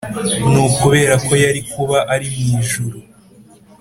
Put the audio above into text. Ni ukubera ko yari kuba ari mu ijuru